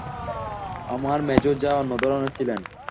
আমার মেজো জা অন্য ধরনের ছিলেন।